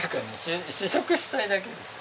試食したいだけでしょ。